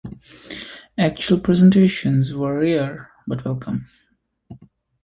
Actual presentations were rare but welcome.